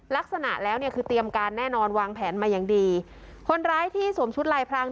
ลักษณะแล้วเนี่ยคือเตรียมการแน่นอนวางแผนมาอย่างดีคนร้ายที่สวมชุดลายพราง